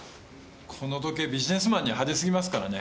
この時計ビジネスマンには派手すぎますからね